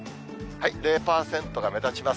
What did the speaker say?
０％が目立ちます。